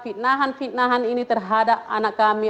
fitnahan fitnahan ini terhadap anak kami